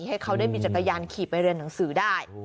ให้เขาได้มีจักรยานขี่ไปเรียนหนังสือได้